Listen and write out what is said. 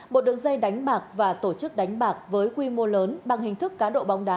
một đường dây đánh bạc và tổ chức đánh bạc với quy mô lớn bằng hình thức cá độ bóng đá